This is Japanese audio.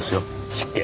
失敬。